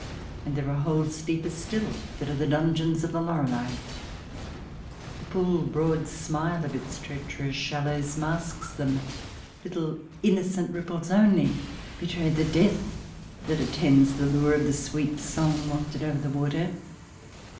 And there are holes, deeper still, that are the dungeons of the Lorelei. The full broad smile of its treacherous shallows masks them ; little innocent ripples only betray the death that attends the lure of a sweet song wafted over the water.